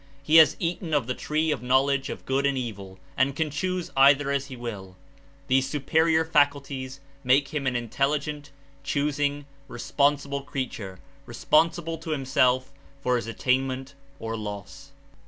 He has eaten of the tree of knowledge of good and evil Man, The ^^^^^^ choose either as he will. These Chooser , r i i i •• it superior faculties make him an intelli gent, choosing, responsible creature, responsible to himself for his attainment or loss.